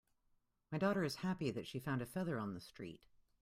My daughter is happy that she found a feather on the street.